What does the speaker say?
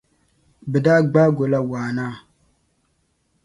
Bɛ daa gbaagi o la Wa naa.